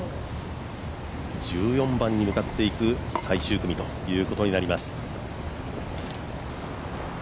１４番に向かっていく最終組ということになります。